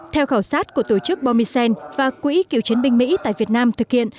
theo khảo sát của tổ chức bomisen và quỹ kiểu chiến binh mỹ tại việt nam thực hiện